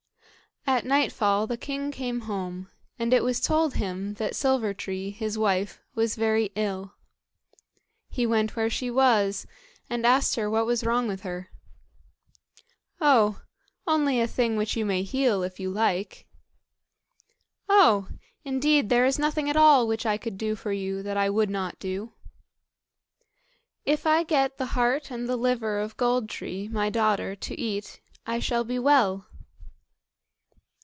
At nightfall the king came home, and it was told him that Silver tree, his wife, was very ill. He went where she was, and asked her what was wrong with her. "Oh! only a thing which you may heal if you like." "Oh! indeed there is nothing at all which I could do for you that I would not do." "If I get the heart and the liver of Gold tree, my daughter, to eat, I shall be well."